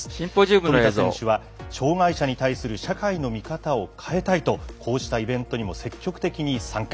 富田選手は障がい者に対する社会の見方を変えたいとこうしたイベントにも積極的に参加。